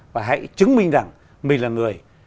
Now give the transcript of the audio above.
và hãy chứng minh rằng mình là người